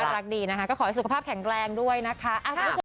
นานานานานานา